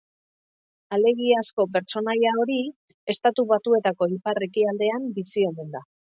Alegiazko pertsonaia hori Estatu Batuetako ipar-ekialdean bizi omen da.